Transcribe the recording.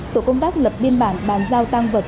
tổ công tác lập biên bản bàn giao tăng vật